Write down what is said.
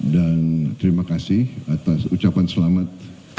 dan terima kasih atas ucapan selamat